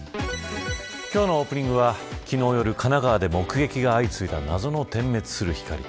今日のオープニングは昨日夜神奈川で目撃が相次いだ謎の点滅する光。